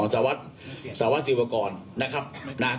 สวัสดิ์ศิลปกรณ์